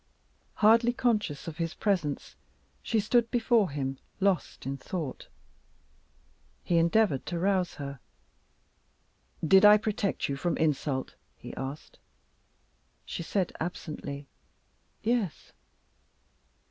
Hardly conscious of his presence, she stood before him lost in thought. He endeavored to rouse her. "Did I protect you from insult?" he asked. She said absently: "Yes!"